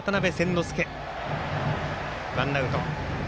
ワンアウト。